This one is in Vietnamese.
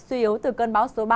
suy yếu từ cơn báo số ba